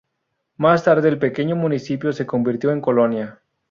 Más tarde el pequeño municipio se convirtió en colonia.